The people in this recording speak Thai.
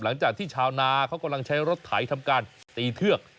หลังจากที่ชาวนาเขากำลังใช้รถไถทำการตีเทือก